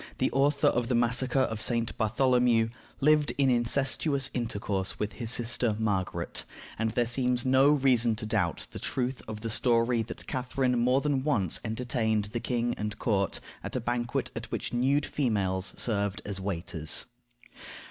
the author of the massacre of St. Bartholomew, lived in incestuous intercourse with his sister Margaret, and there seems no reason to doubt the truth of the story that Catharine more than once entertained the king and court at a banquet at which nude females served as waiters.